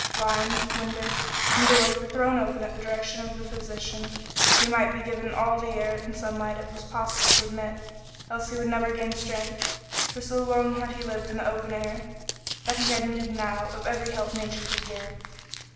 Blinds, windows, and doors were thrown open at the direction of the physician, that he might be given all the air and sunlight it was possible to admit; else he would never gain strength, for so long had he lived in the open air, in rain and sun, that he had need now of every help nature could give.